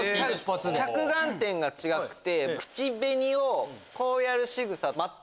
着眼点が違くて。